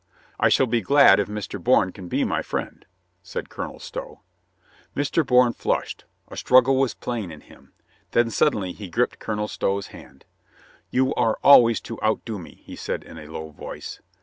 "I shall be glad if Mr. Bourne can be my friend," said Colonel Stow. Mr. Bourne flushed — a struggle was plain in him — then suddenly he gripped Colonel Stow's hand. "You are always to outdo me," he said in a low voice.